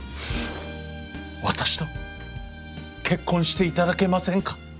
「私と結婚していただけませんか」。